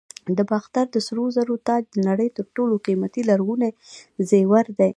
د باختر د سرو زرو تاج د نړۍ تر ټولو قیمتي لرغوني زیور دی